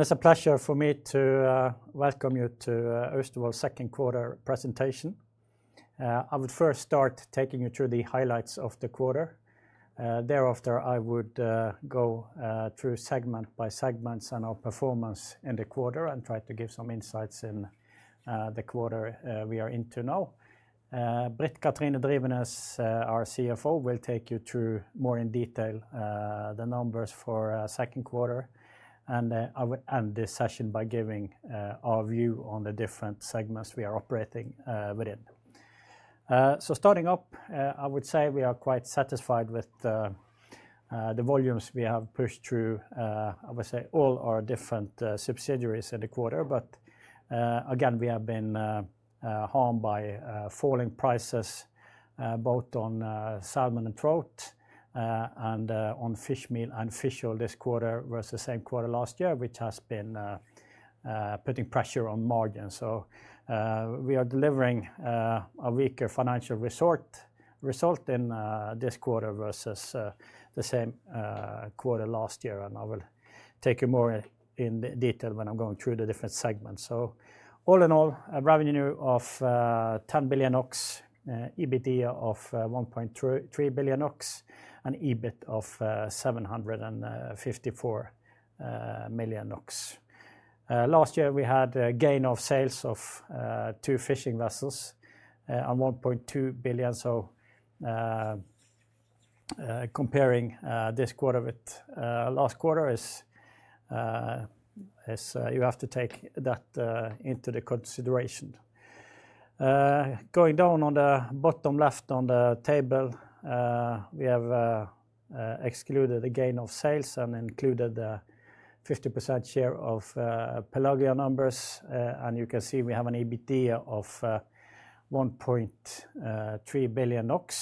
It's a pleasure for me to welcome you to Austevoll's Second Quarter Presentation. I would first start taking you through the highlights of the quarter. Thereafter, I would go through segment by segment and our performance in the quarter and try to give some insights in the quarter we are in now. Britt Kathrine Drivenes, our CFO, will take you through more in detail the numbers for the second quarter and end this session by giving our view on the different segments we are operating within. Starting off, I would say we are quite satisfied with the volumes we have pushed through, I would say, all our different subsidiaries in the quarter. Again, we have been harmed by falling prices both on salmon and trout and on fish meal and fish oil this quarter versus the same quarter last year, which has been putting pressure on margins. We are delivering a weaker financial result in this quarter versus the same quarter last year. I will take you more in detail when I'm going through the different segments. All in all, a revenue of 10 billion, EBITDA of 1.3 billion, and EBIT of 754 million. Last year, we had a gain of sales of two fishing vessels on 1.2 billion. Comparing this quarter with last quarter, you have to take that into consideration. Going down on the bottom left on the table, we have excluded the gain of sales and included the 50% share of Pelagia numbers. You can see we have an EBITDA of 1.3 billion NOK,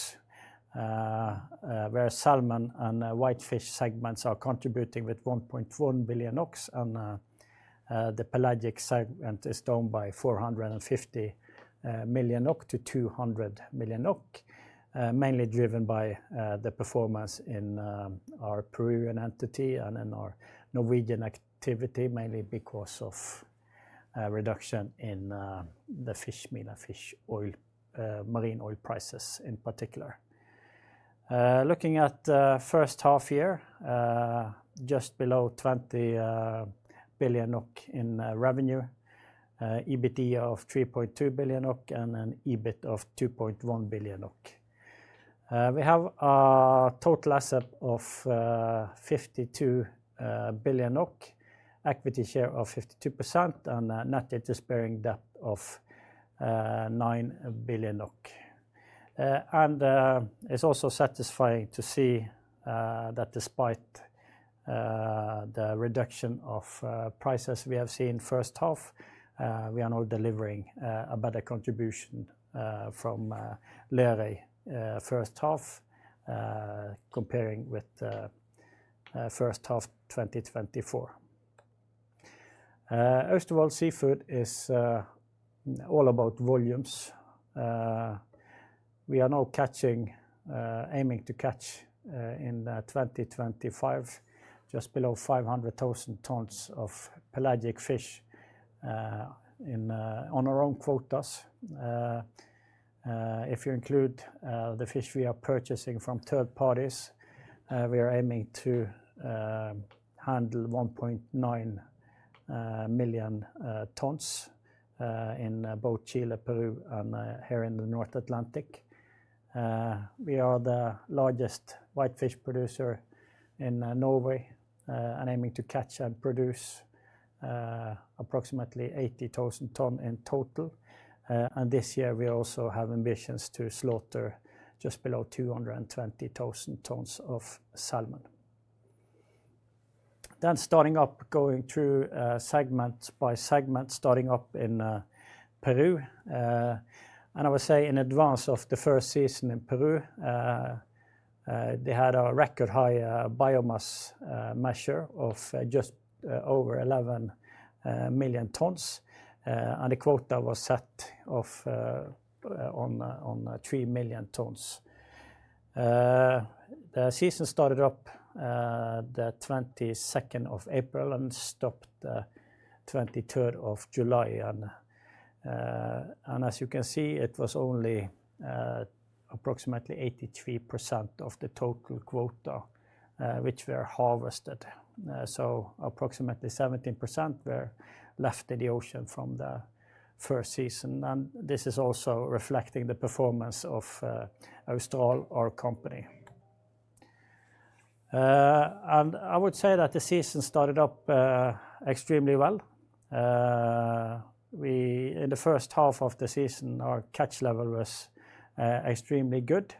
where salmon and whitefish segments are contributing with 1.1 billion NOK. The pelagic segment is down by 450 million NOK to 200 million NOK, mainly driven by the performance in our Peruvian entity and in our Norwegian activity, mainly because of a reduction in the fish meal and fish oil, marine oil prices in particular. Looking at the first half year, just below 20 billion NOK in revenue, EBITDA of 3.2 billion NOK, and an EBIT of 2.1 billion NOK. We have a total asset of 52 billion NOK, equity share of 52%, and net interest-bearing debt of NOK 9 billion. It's also satisfying to see that despite the reduction of prices we have seen in the first half, we are now delivering a better contribution from the earlier first half, comparing with the first half 2024. Austevoll Seafood is all about volumes. We are now aiming to catch in 2025 just below 500,000 tons of pelagic fish on our own quotas. If you include the fish we are purchasing from third parties, we are aiming to handle 1.9 million tons in both Chile, Peru, and here in the North Atlantic. We are the largest whitefish producer in Norway and aiming to catch and produce approximately 80,000 tons in total. This year, we also have ambitions to slaughter just below 220,000 tons of salmon. Starting up, going through segment by segment, starting up in Peru. I would say in advance of the first season in Peru, they had a record high biomass measure of just over 11 million tons, and the quota was set on 3 million tons. The season started up the 22nd of April and stopped 23rd of July. As you can see, it was only approximately 83% of the total quota which we have harvested. Approximately 17% were left in the ocean from the first season. This is also reflecting the performance of Austevoll, our company. I would say that the season started up extremely well. In the first half of the season, our catch level was extremely good.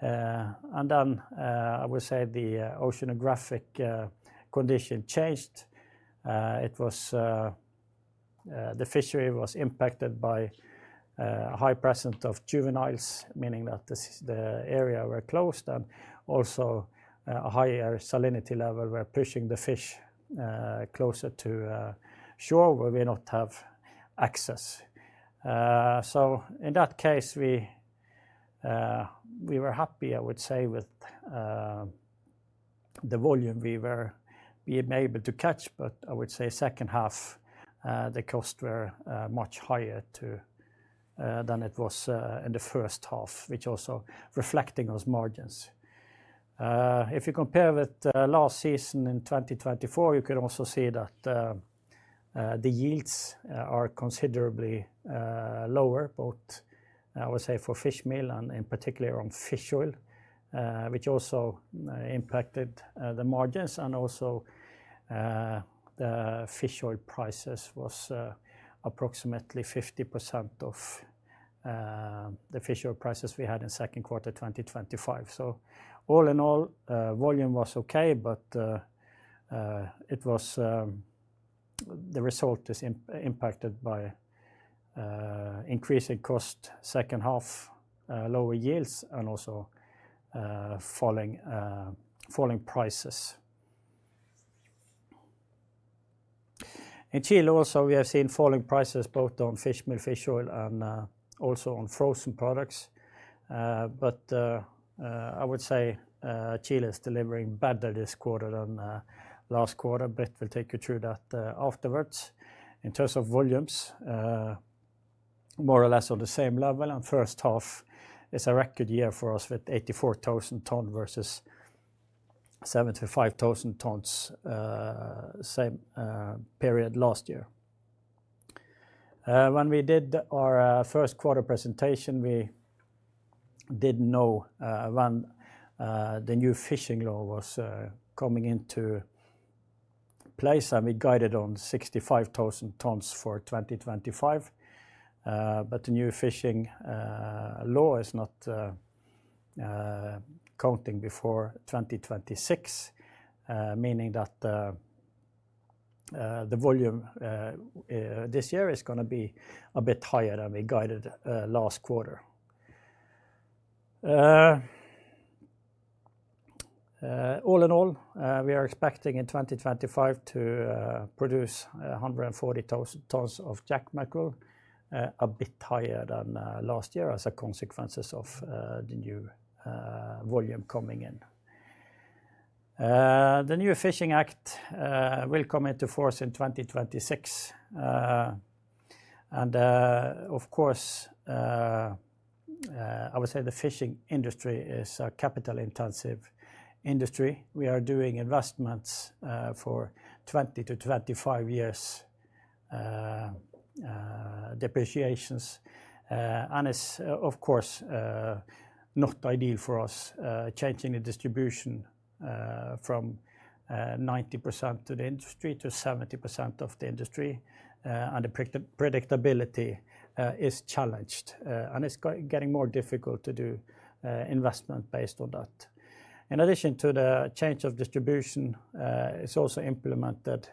I would say the oceanographic condition changed. The fishery was impacted by a high presence of juveniles, meaning that the area was closed and also a higher salinity level was pushing the fish closer to shore where we do not have access. In that case, we were happy, I would say, with the volume we were able to catch. I would say second half, the costs were much higher than it was in the first half, which also reflected those margins. If you compare with last season in 2024, you can also see that the yields are considerably lower, both I would say for fish meal and in particular on fish oil, which also impacted the margins. Also, the fish oil prices were approximately 50% of the fish oil prices we had in second quarter 2025. All in all, volume was okay, but the result is impacted by increasing cost, second half, lower yields, and also falling prices. In Chile also, we have seen falling prices both on fish meal, fish oil, and also on frozen products. I would say Chile is delivering better this quarter than last quarter. Britt will take you through that afterwards. In terms of volumes, more or less on the same level, and first half is a record year for us with 84,000 tons versus 75,000 tons same period last year. When we did our first quarter presentation, we did know when the new fishing law was coming into place, and we guided on 65,000 tons for 2025. The new fishing law is not counting before 2026, meaning that the volume this year is going to be a bit higher than we guided last quarter. All in all, we are expecting in 2025 to produce 140,000 tons of jack mackerel, a bit higher than last year as a consequence of the new volume coming in. The new fishing act will come into force in 2026. Of course, I would say the fishing industry is a capital-intensive industry. We are doing investments for 20-25 years depreciations. It's, of course, not ideal for us changing the distribution from 90% of the industry to 70% of the industry. The predictability is challenged. It's getting more difficult to do investment based on that. In addition to the change of distribution, it's also implemented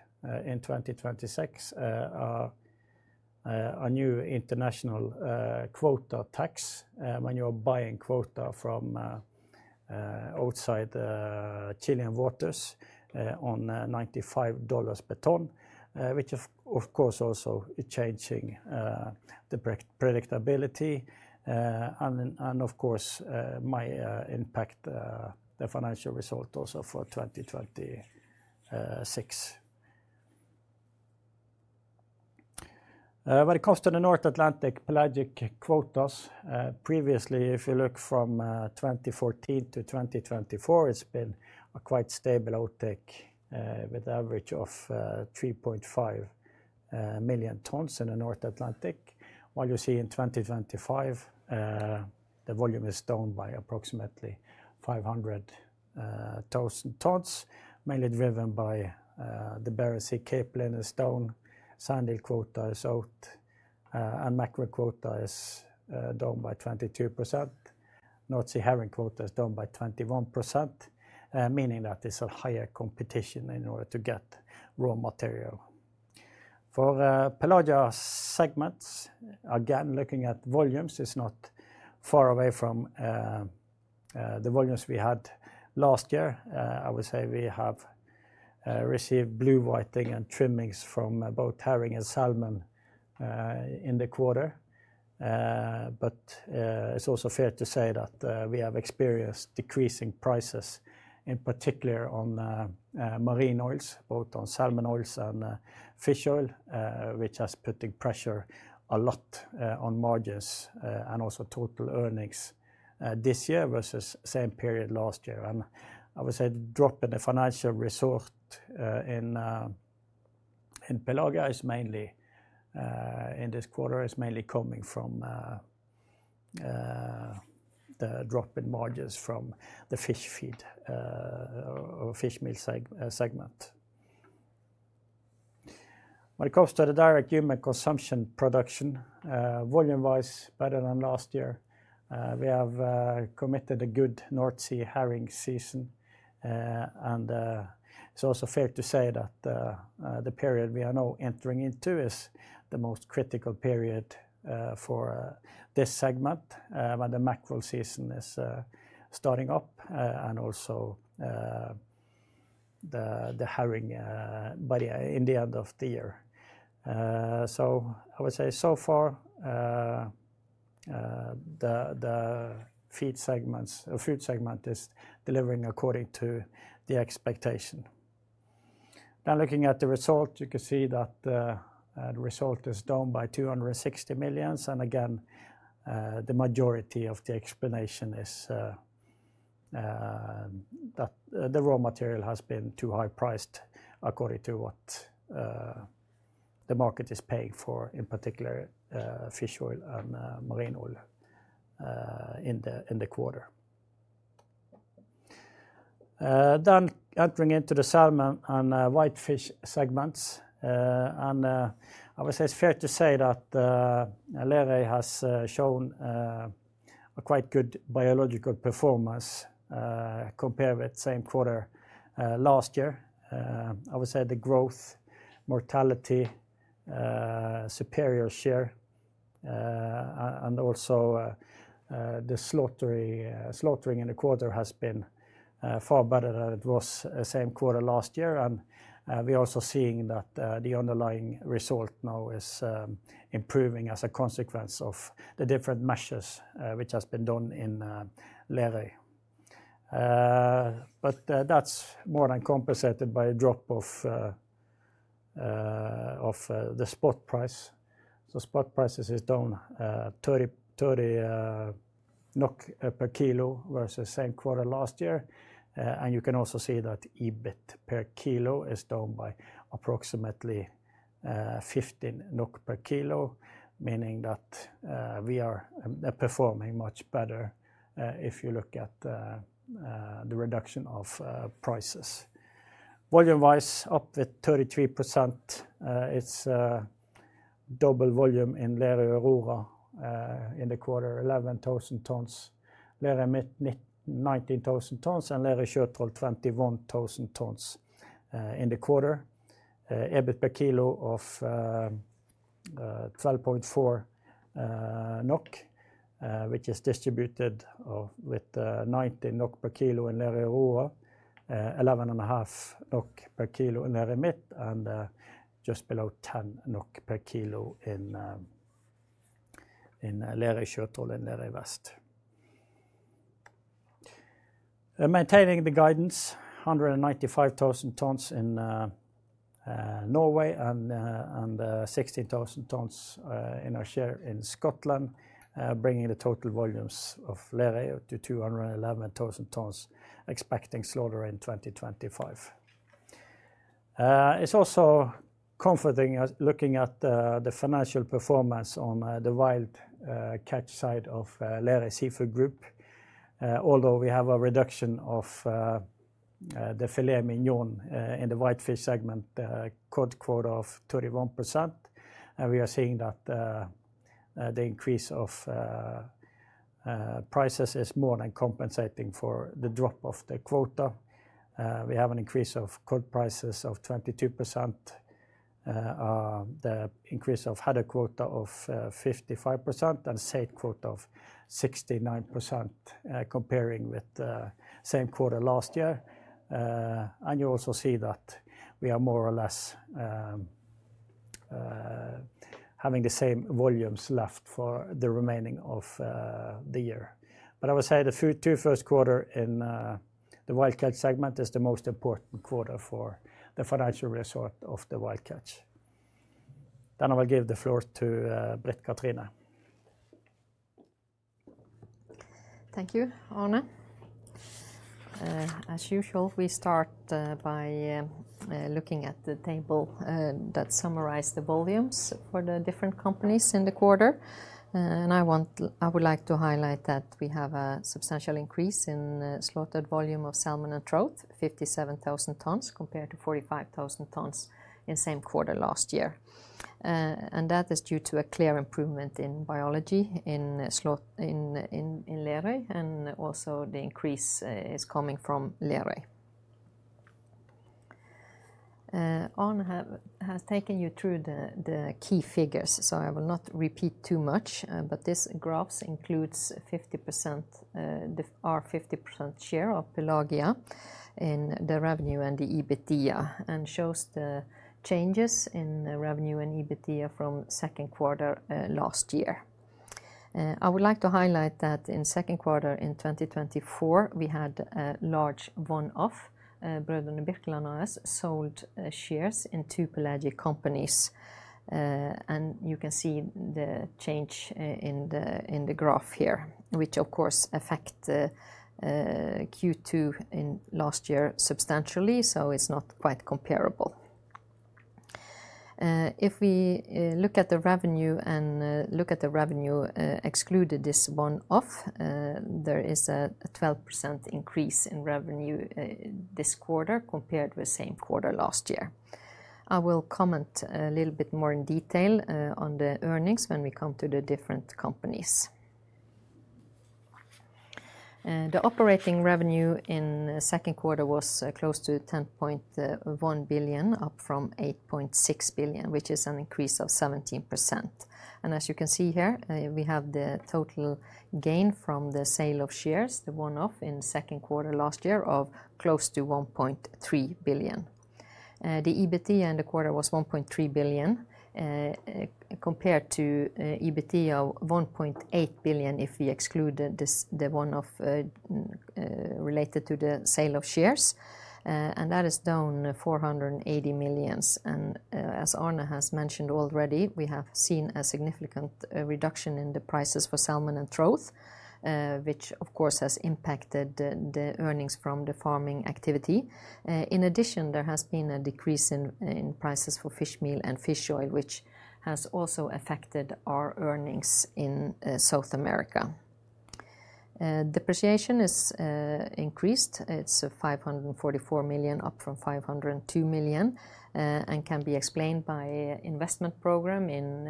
in 2026 a new international quota tax when you are buying quota from outside Chilean waters on $95 per ton, which is, of course, also changing the predictability and might impact the financial result also for 2026. When it comes to the North Atlantic pelagic quotas, previously, if you look from 2014-2024, it's been a quite stable outtake with an average of 3.5 million tons in the North Atlantic. While you see in 2025, the volume is down by approximately 500,000 tons, mainly driven by the Barents Sea capelin is down, sand eel quota is out, and mackerel quota is down by 22%. North Sea herring quota is down by 21%, meaning that it's a higher competition in order to get raw material. For Pelagia segments, again, looking at volumes, it's not far away from the volumes we had last year. I would say we have received blue whiting and trimmings from both herring and salmon in the quarter. It's also fair to say that we have experienced decreasing prices, in particular on marine oils, both on salmon oils and fish oil, which has put pressure a lot on margins and also total earnings this year versus the same period last year. I would say the drop in the financial result in Pelagia is mainly in this quarter coming from the drop in margins from the fish feed or fish meal segment. When it comes to the direct human consumption production, volume-wise, better than last year. We have committed a good North Sea herring season. It's also fair to say that the period we are now entering into is the most critical period for this segment when the mackerel season is starting up and also the herring by the end of the year. I would say so far, the feed segments or food segment is delivering according to the expectation. Now looking at the result, you can see that the result is down by 260 million. Again, the majority of the explanation is that the raw material has been too high priced according to what the market is paying for, in particular fish oil and marine oil in the quarter. Entering into the salmon and whitefish segments, I would say it's fair to say that Lerøy has shown a quite good biological performance compared with the same quarter last year. I would say the growth, mortality, superior share, and also the slaughtering in the quarter has been far better than it was the same quarter last year. We are also seeing that the underlying result now is improving as a consequence of the different measures which have been done in Lerøy. That's more than compensated by a drop of the spot price. Spot prices are down 30 per kilo versus the same quarter last year. You can also see that EBIT per kilo is down by approximately 15 NOK per kilo, meaning that we are performing much better if you look at the reduction of prices. Volume-wise, up with 33% is double volume in Lerøy Aurora in the quarter, 11,000 tons. Lerøy Midt, 19,000 tons, and Lerøy Sjøtroll, 21,000 tons in the quarter. EBIT per kilo of 12.4 NOK, which is distributed with 19 NOK per kilo in Lerøy Aurora, 11.5 NOK per kilo in Lerøy Midt, and just below 10 NOK per kilo in Lerøy Sjøtroll and Lerøy Vest. Maintaining the guidance, 195,000 tons in Norway and 16,000 tons in our share in Scotland, bringing the total volumes of Lerøy to 211,000 tons, expecting slaughter in 2025. It's also comforting looking at the financial performance on the wild catch side of Lerøy Seafood Group. Although we have a reduction of the filet mignon in the whitefish segment, cod quota of 31%. We are seeing that the increase of prices is more than compensating for the drop of the quota. We have an increase of cod prices of 22%, the increase of haddock quota of 55%, and the saithe quota of 69% comparing with the same quarter last year. You also see that we are more or less having the same volumes left for the remaining of the year. I would say the two first quarters in the wild catch segment is the most important quarter for the financial result of the wild catch. I will give the floor to Britt Kathrine. Thank you, Arne. As usual, we start by looking at the table that summarized the volumes for the different companies in the quarter. I would like to highlight that we have a substantial increase in slaughtered volume of salmon and trout, 57,000 tons, compared to 45,000 tons in the same quarter last year. That is due to a clear improvement in biology in Lerøy, and also the increase is coming from Lerøy. Arne has taken you through the key figures, so I will not repeat too much. This graph includes 50%, the 50% share of Pelagia in the revenue and the EBITDA and shows the changes in revenue and EBITDA from the second quarter last year. I would like to highlight that in the second quarter in 2024, we had a large one-off, Brødrene Birkeland AS, sold shares in two pelagic companies. You can see the change in the graph here, which, of course, affects the Q2 in last year substantially, so it's not quite comparable. If we look at the revenue and look at the revenue excluding this one-off, there is a 12% increase in revenue this quarter compared with the same quarter last year. I will comment a little bit more in detail on the earnings when we come to the different companies. The operating revenue in the second quarter was close to 10.1 billion, up from 8.6 billion, which is an increase of 17%. As you can see here, we have the total gain from the sale of shares, the one-off in the second quarter last year, of close to 1.3 billion. The EBITDA in the quarter was 1.3 billion compared to EBITDA of 1.8 billion if we exclude the one-off related to the sale of shares. That is down 480 million. As Arne has mentioned already, we have seen a significant reduction in the prices for salmon and trout, which, of course, has impacted the earnings from the farming activity. In addition, there has been a decrease in prices for fish meal and fish oil, which has also affected our earnings in South America. Depreciation has increased. It's 544 million, up from 502 million, and can be explained by an investment program in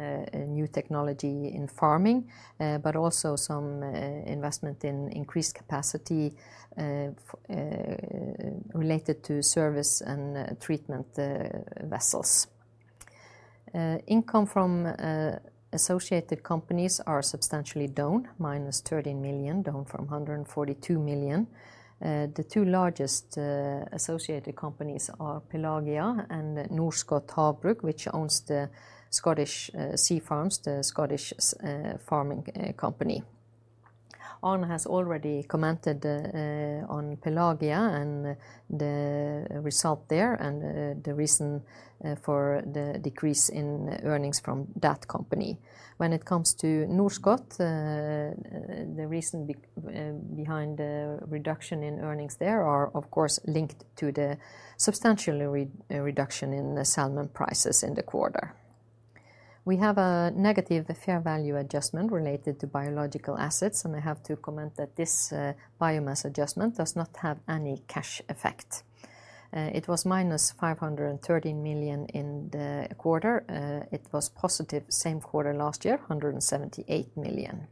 new technology in farming, but also some investment in increased capacity related to service and treatment vessels. Income from associated companies are substantially down, -13 million, down from 142 million. The two largest associated companies are Pelagia and the Norskott Havbruk, which owns the Scottish Sea Farms, the Scottish farming company. Arne has already commented on Pelagia and the result there and the reason for the decrease in earnings from that company. When it comes to Norskott, the reason behind the reduction in earnings there are, of course, linked to the substantial reduction in the salmon prices in the quarter. We have a negative fair value adjustment related to biological assets, and I have to comment that this biomass adjustment does not have any cash effect. It was -513 million in the quarter. It was positive same quarter last year, 178 million.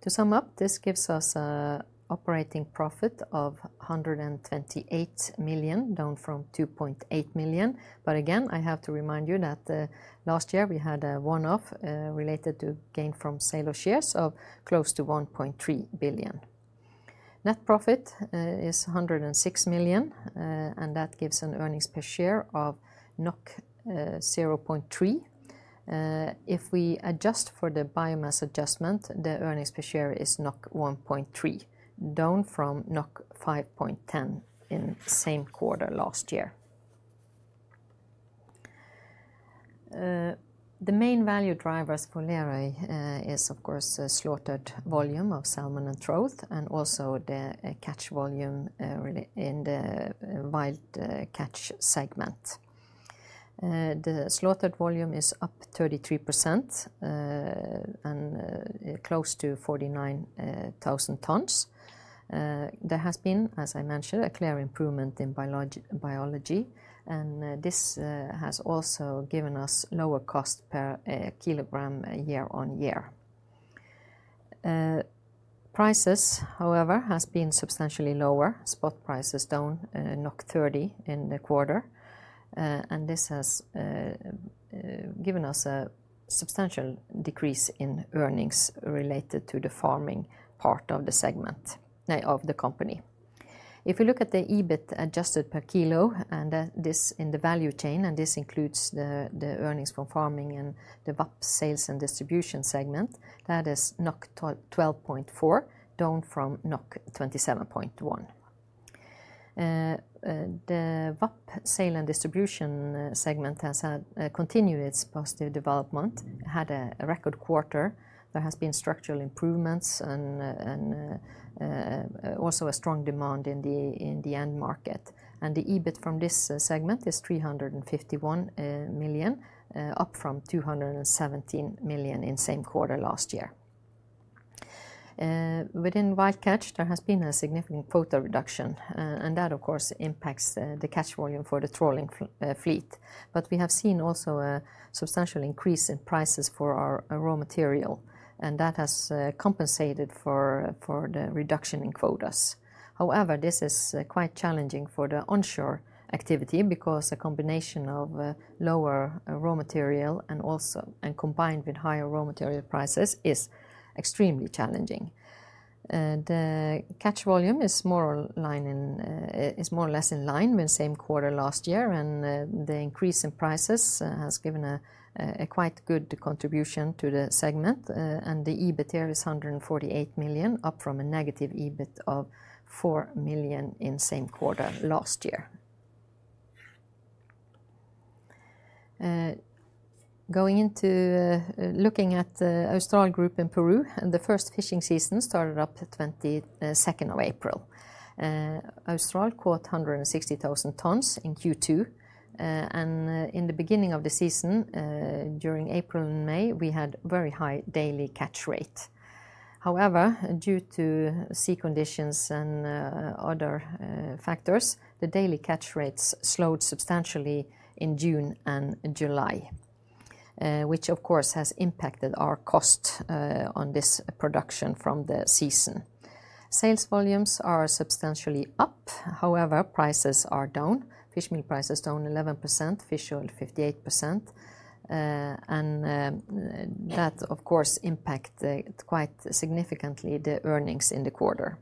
To sum up, this gives us an operating profit of 128 million, down from 2.8 million. I have to remind you that last year we had a one-off related to gain from sale of shares of close to 1.3 billion. Net profit is 106 million, and that gives an earnings per share of 0.3. If we adjust for the biomass adjustment, the earnings per share is 1.3, down from 5.10 in the same quarter last year. The main value drivers for Lerøy is, of course, the slaughtered volume of salmon and trout, and also the catch volume in the wild catch segment. The slaughtered volume is up 33% and close to 49,000 tons. There has been, as I mentioned, a clear improvement in biology, and this has also given us lower cost per kilogram year-on-year. Prices, however, have been substantially lower. Spot price is down 30 in the quarter, and this has given us a substantial decrease in earnings related to the farming part of the segment of the company. If you look at the EBIT adjusted per kilo and this in the value chain, and this includes the earnings from farming and the VAP, Sales and Distribution segment, that is 12.4, down from 27.1. The VAP, Sales and Distribution segment has continued its positive development, had a record quarter. There have been structural improvements and also a strong demand in the end market. The EBIT from this segment is 351 million, up from 217 million in the same quarter last year. Within wild catch, there has been a significant quota reduction, and that, of course, impacts the catch volume for the trawling fleet. We have seen also a substantial increase in prices for our raw material, and that has compensated for the reduction in quotas. However, this is quite challenging for the onshore activity because a combination of lower raw material and also combined with higher raw material prices is extremely challenging. The catch volume is more or less in line with the same quarter last year, and the increase in prices has given a quite good contribution to the segment. The EBIT there is 148 million, up from a EBIT of -4 million in the same quarter last year. Going into looking at the Austral Group in Peru, the first fishing season started up 22nd of April. Austral caught 160,000 tons in Q2. In the beginning of the season, during April and May, we had a very high daily catch rate. However, due to sea conditions and other factors, the daily catch rates slowed substantially in June and July, which, of course, has impacted our cost on this production from the season. Sales volumes are substantially up. However, prices are down. Fish meal prices down 11%, fish oil 58%. That, of course, impacts quite significantly the earnings in the quarter.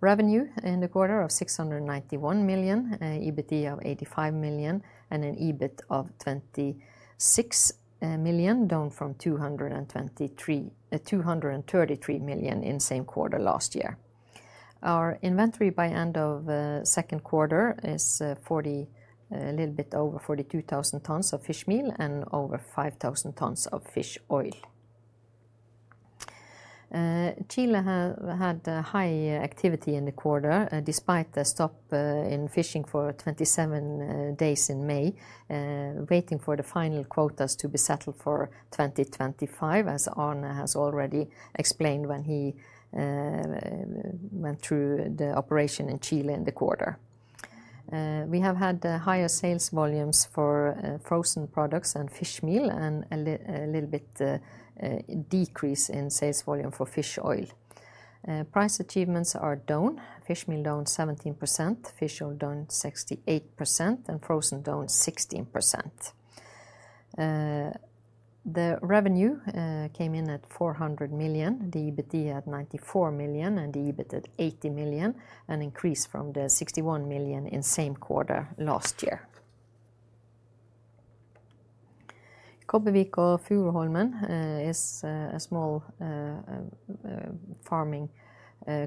Revenue in the quarter of 691 million, EBITDA of 85 million, and an EBIT of 26 million, down from 233 million in the same quarter last year. Our inventory by the end of the second quarter is a little bit over 42,000 tons of fish meal and over 5,000 tons of fish oil. Chile had high activity in the quarter despite the stop in fishing for 27 days in May, waiting for the final quotas to be settled for 2025, as Arne has already explained when he went through the operation in Chile in the quarter. We have had higher sales volumes for frozen products and fish meal and a little bit decrease in sales volume for fish oil. Price achievements are down. Fish meal down 17%, fish oil down 68%, and frozen down 16%. The revenue came in at 400 million, the EBITDA at 94 million, and the EBIT at 80 million, an increase from the 61 million in the same quarter last year. Kobbevik og Furuholmen is a small farming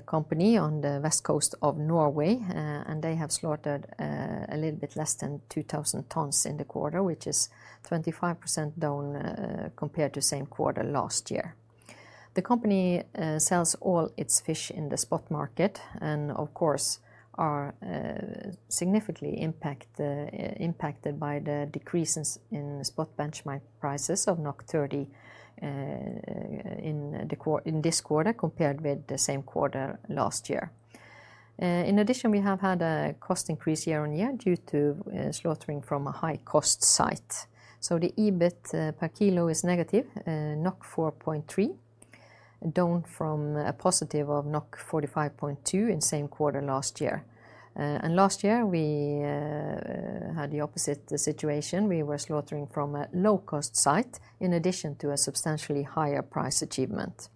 company on the west coast of Norway, and they have slaughtered a little bit less than 2,000 tons in the quarter, which is 25% down compared to the same quarter last year. The company sells all its fish in the spot market and, of course, are significantly impacted by the decreases in spot benchmark prices of 30 in this quarter compared with the same quarter last year. In addition, we have had a cost increase year-on-year due to slaughtering from a high-cost site. The EBIT per kilo is -4.3, down from a positive of 45.2 in the same quarter last year. Last year, we had the opposite situation. We were slaughtering from a low-cost site in addition to a substantially higher price achievement.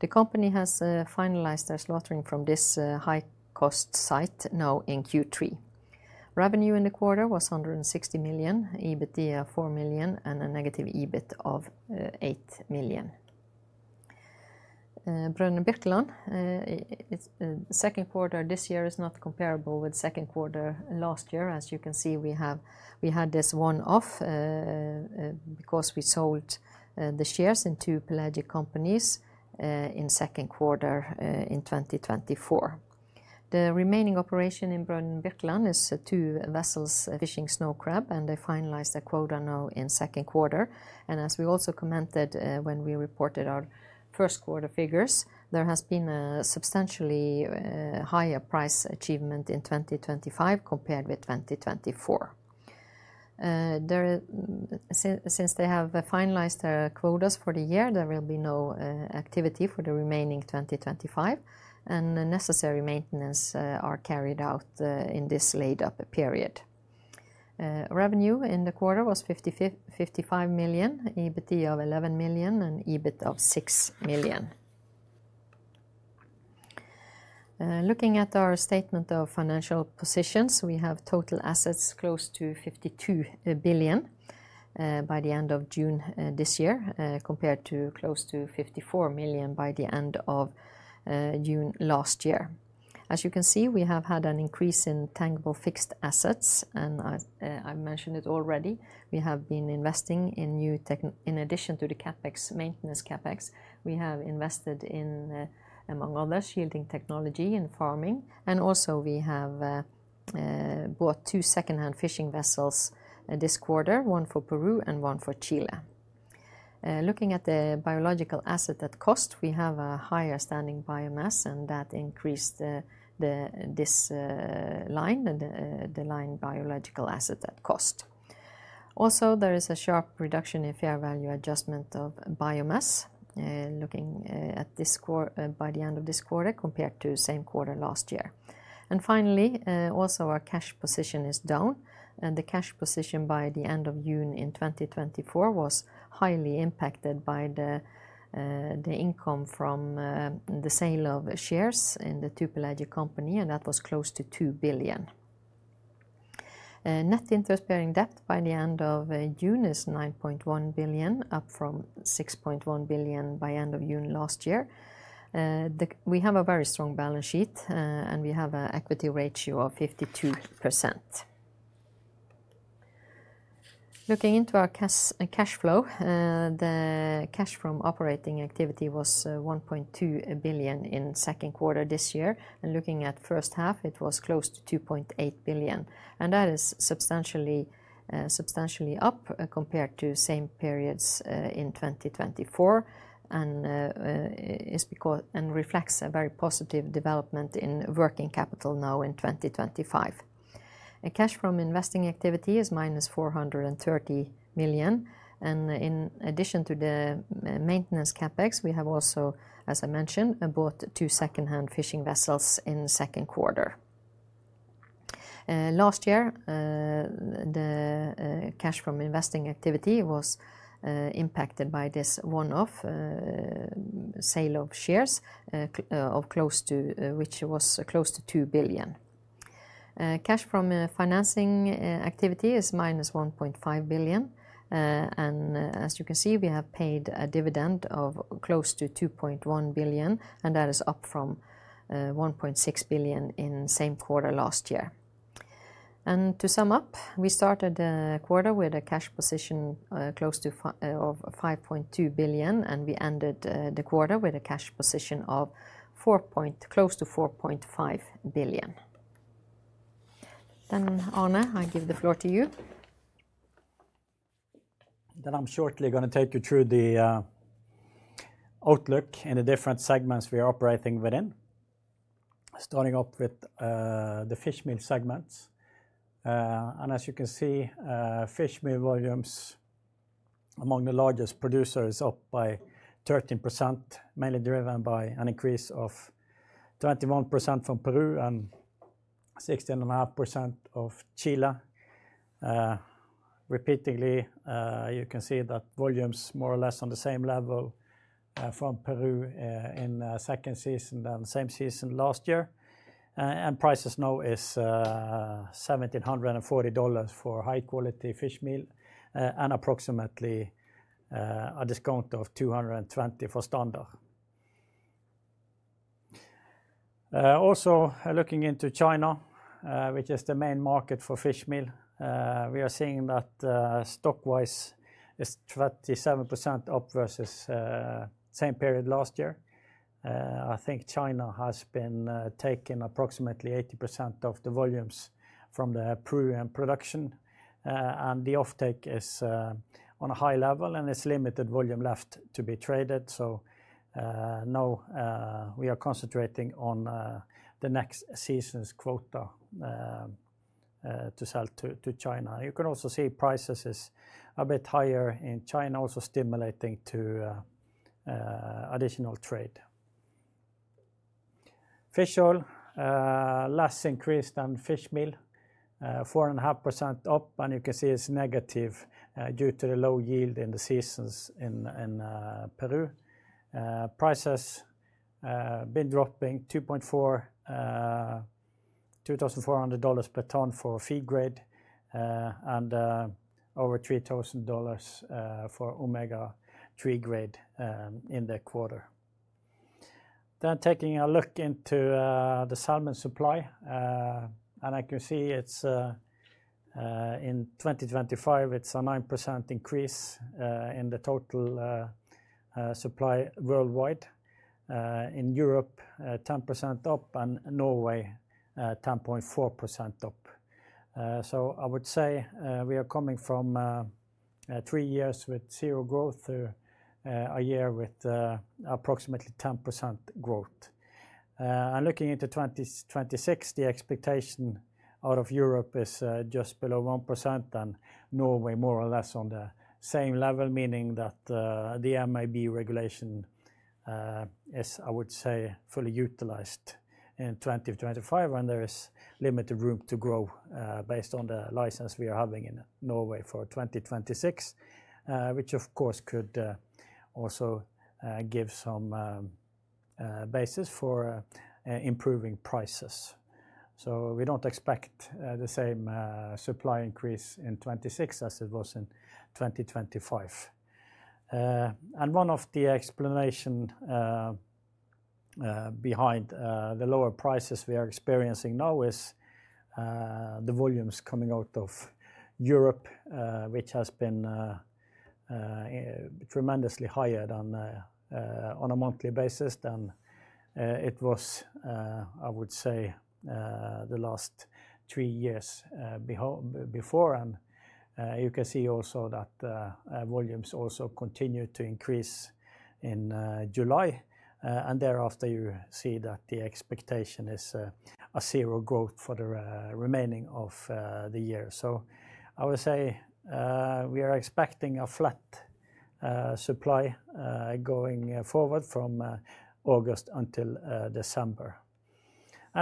The company has finalized their slaughtering from this high-cost site now in Q3. Revenue in the quarter was 160 million, EBITDA 4 million, and a EBIT of -8 million. Brødrene Birkeland, second quarter this year is not comparable with the second quarter last year. As you can see, we had this one-off because we sold the shares in two pelagic companies in the second quarter in 2024. The remaining operation in Brødrene Birkeland is two vessels, fishing snow crab, and they finalized their quota now in the second quarter. As we also commented when we reported our first quarter figures, there has been a substantially higher price achievement in 2025 compared with 2024. Since they have finalized their quotas for the year, there will be no activity for the remaining 2025, and necessary maintenance is carried out in this laid-up period. Revenue in the quarter was 55 million, EBITDA of 11 million, and EBIT of 6 million. Looking at our statement of financial positions, we have total assets close to 52 billion by the end of June this year, compared to close to 54 million by the end of June last year. As you can see, we have had an increase in tangible fixed assets, and I mentioned it already. We have been investing in new, in addition to the CapEx, maintenance CapEx, we have invested in, among others, shielding technology in farming. We have bought two secondhand fishing vessels this quarter, one for Peru and one for Chile. Looking at the biological asset at cost, we have a higher standing biomass, and that increased this line, the line biological asset at cost. There is a sharp reduction in fair value adjustment of biomass, looking at this by the end of this quarter compared to the same quarter last year. Finally, our cash position is down, and the cash position by the end of June in 2024 was highly impacted by the income from the sale of shares in the two pelagic companies, and that was close to 2 billion. Net interest-bearing debt by the end of June is 9.1 billion, up from 6.1 billion by the end of June last year. We have a very strong balance sheet, and we have an equity ratio of 52%. Looking into our cash flow, the cash from operating activity was 1.2 billion in the second quarter this year. Looking at the first half, it was close to 2.8 billion. That is substantially up compared to the same periods in 2024 and reflects a very positive development in working capital now in 2025. Cash from investing activity is -430 million. In addition to the maintenance CapEx, we have also, as I mentioned, bought two secondhand fishing vessels in the second quarter. Last year, the cash from investing activity was impacted by this one-off sale of shares, which was close to 2 billion. Cash from financing activity is -1.5 billion. As you can see, we have paid a dividend of close to 2.1 billion, and that is up from 1.6 billion in the same quarter last year. To sum up, we started the quarter with a cash position close to 5.2 billion, and we ended the quarter with a cash position of close to 4.5 billion. Arne, I give the floor to you. I am shortly going to take you through the outlook in the different segments we are operating within, starting up with the fish meal segments. As you can see, fish meal volumes among the largest producers is up by 13%, mainly driven by an increase of 21% from Peru and 16.5% from Chile. Repeatedly, you can see that volumes are more or less on the same level from Peru in the second season than the same season last year. Prices now are $1,740 for high-quality fish meal and approximately a discount of $220 for standard. Also, looking into China, which is the main market for fish meal, we are seeing that stock-wise it's 27% up versus the same period last year. I think China has been taking approximately 80% of the volumes from the Peruvian production, and the offtake is on a high level, and there's limited volume left to be traded. We are concentrating on the next season's quota to sell to China. You can also see prices are a bit higher in China, also stimulating to additional trade. Fish oil, less increase than fish meal, 4.5% up, and you can see it's negative due to the low yield in the seasons in Peru. Prices have been dropping, $2,400 per tonne for feed grade and over $3,000 for Omega-3 grade in the quarter. Taking a look into the salmon supply, I can see in 2025, it's a 9% increase in the total supply worldwide. In Europe, 10% up, and Norway, 10.4% up. I would say we are coming from three years with zero growth to a year with approximately 10% growth. Looking into 2026, the expectation out of Europe is just below 1% and Norway more or less on the same level, meaning that the MAB regulation is, I would say, fully utilized in 2025, and there is limited room to grow based on the license we are having in Norway for 2026, which, of course, could also give some basis for improving prices. We do not expect the same supply increase in 2026 as it was in 2025. One of the explanations behind the lower prices we are experiencing now is the volumes coming out of Europe, which has been tremendously higher on a monthly basis than it was, I would say, the last three years before. You can see also that volumes continue to increase in July. Thereafter, you see that the expectation is a zero growth for the remaining of the year. I would say we are expecting a flat supply going forward from August until December.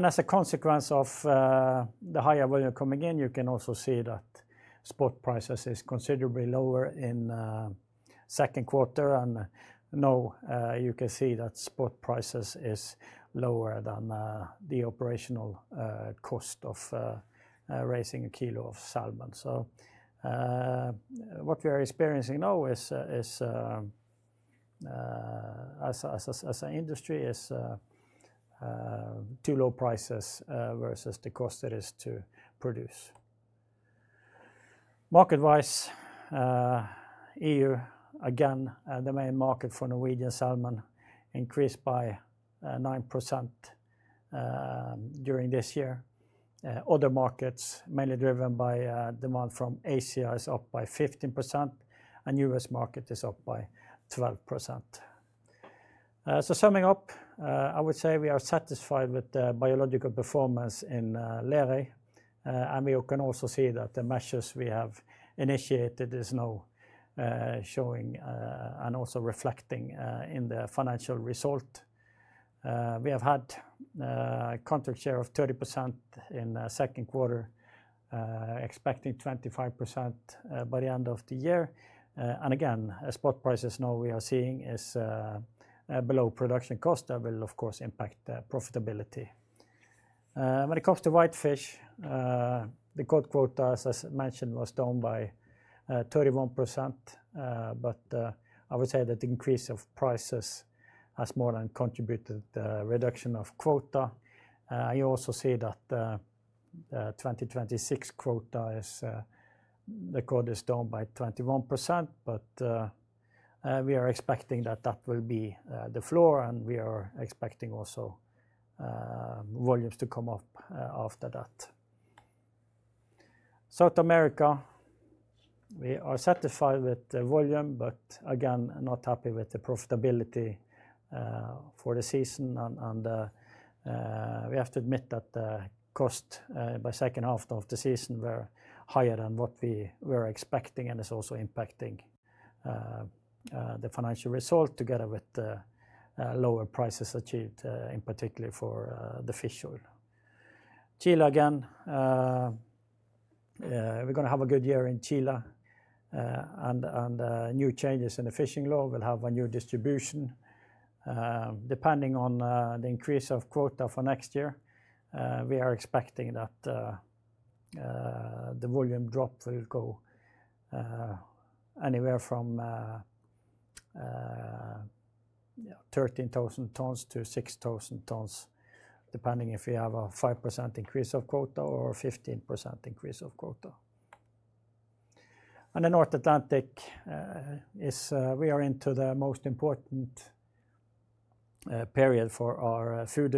As a consequence of the higher volume coming in, you can also see that spot prices are considerably lower in the second quarter. Now you can see that spot prices are lower than the operational cost of raising a kilo of salmon. What we are experiencing now is, as an industry, too low prices versus the cost it is to produce. Market-wise, EU, again, the main market for Norwegian salmon, increased by 9% during this year. Other markets, mainly driven by demand from Asia, is up by 15%, and the U.S. market is up by 12%. Summing up, I would say we are satisfied with the biological performance in Lerøy, and you can also see that the measures we have initiated are now showing and also reflecting in the financial result. We have had a contract share of 30% in the second quarter, expecting 25% by the end of the year. Spot prices now we are seeing are below production cost. That will, of course, impact profitability. When it comes to whitefish, the cod quota, as I mentioned, was down by 31%. I would say that the increase of prices has more than contributed to the reduction of quota. You also see that the 2026 quota is down by 21%. We are expecting that that will be the floor, and we are expecting also volumes to come up after that. South America, we are satisfied with the volume, but not happy with the profitability for the season. We have to admit that the costs by the second half of the season were higher than what we were expecting, and it's also impacting the financial result together with the lower prices achieved, in particular for the fish oil. Chile, again, we are going to have a good year in Chile. New changes in the fishing law will have a new distribution. Depending on the increase of quota for next year, we are expecting that the volume drop will go anywhere from 13,000 tons to 6,000 tons, depending if we have a 5% increase of quota or a 15% increase of quota. The North Atlantic, we are into the most important period for our food.